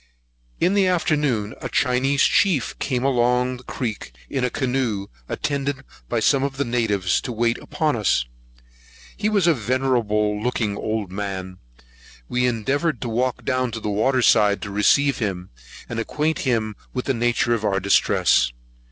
In the afternoon, a Chinese chief came down the creek in a canoe, attended by some of the natives, to wait upon us. He was a venerable looking old man; we endeavoured to walk down to the water side, to receive him, and acquaint him with the nature of our distress.